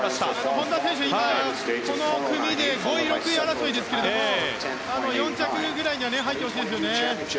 本多選手は今この組で５位、６位争いですが４着ぐらいには入ってほしいですね。